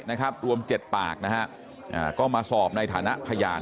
นะครับรวมเจ็ดปากนะฮะอ่าก็มาสอบในฐานะพยาน